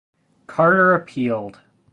Carter appealed.